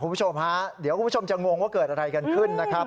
คุณผู้ชมฮะเดี๋ยวคุณผู้ชมจะงงว่าเกิดอะไรกันขึ้นนะครับ